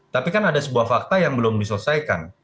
tapi kan ada sebuah fakta yang belum diselesaikan